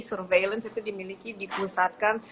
surveillance itu dimiliki dipusatkan